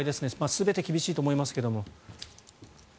全て厳しいと思いますが。